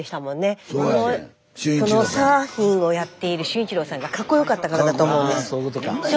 このサーフィンをやっている俊一郎さんがかっこよかったからだと思うんです。